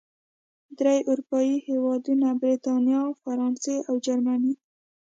درې اروپايي هېوادونو، بریتانیا، فرانسې او جرمني